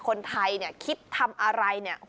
คนไทยเนี่ยคิดทำอะไรเนี่ย